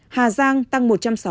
hà giang tăng một trăm sáu mươi năm